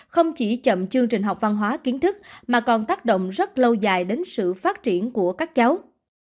không chỉ chậm chương trình học văn hóa kiến thức mà còn tác động rất lâu dài đến sự phát triển của các cháu